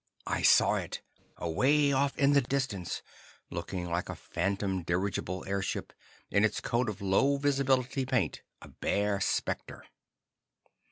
I saw it; away off in the distance; looking like a phantom dirigible airship, in its coat of low visibility paint, a bare spectre.